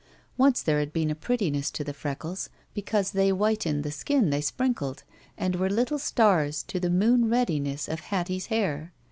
Once there had been a prettincss to the freckles because they whitened the skin they sprinkled and were little stars to the moon reddiness of Hattie's hair.